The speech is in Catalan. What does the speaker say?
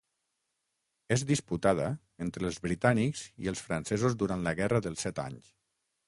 És disputada entre els britànics i els francesos durant la Guerra dels Set Anys.